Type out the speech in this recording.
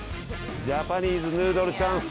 ジャパニーズヌードルチャンス。